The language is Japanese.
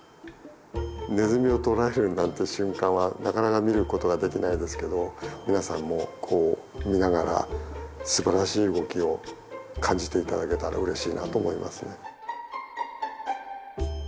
ネズミを捕らえるなんて瞬間はなかなか見ることはできないですけど皆さんもこう見ながらすばらしい動きを感じていただけたらうれしいなと思いますね。